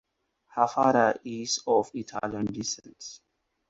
Her father is of Italian descent.